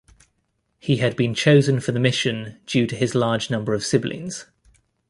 He had been chosen for the mission due to his large number of siblings.